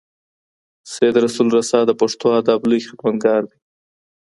سید رسول رسا د پښتو ادب لوی خدمتګار دی.